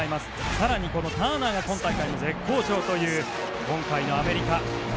更に、このターナーが今大会、絶好調という今回のアメリカ。